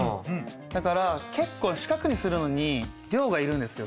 だから結構四角にするのに量がいるんですよ